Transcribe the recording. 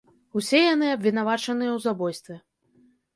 Усе яны абвінавачаныя ў забойстве.